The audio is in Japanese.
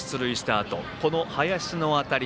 あとこの林の当たり。